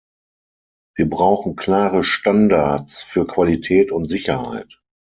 Wir brauchen klare Standards für Qualität und Sicherheit.